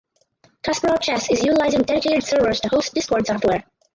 Kasparov Chess is utilizing dedicated servers to host Discord software.